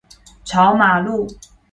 朝馬路